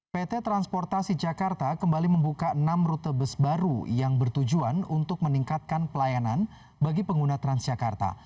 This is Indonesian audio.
pt transportasi jakarta kembali membuka enam rute bus baru yang bertujuan untuk meningkatkan pelayanan bagi pengguna transjakarta